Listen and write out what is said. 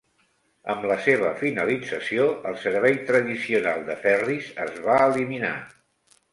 Amb la seva finalització, el servei tradicional de ferris es va eliminar.